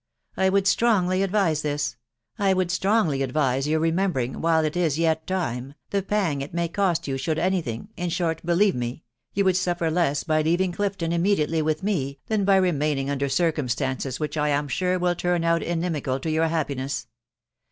I would strongly advise this. — I would strongly advise your remembering, while it is yet time, the pang it may cost you. should any thing .... in short, believe me, you would suffer less by leaving Clifton immediately with me, than by remaining under cirdhmstances which I am sure will turn out inimical to your happiness.